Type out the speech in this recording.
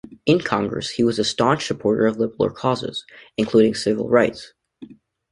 In Congress, he was a staunch supporter of liberal causes, including civil rights.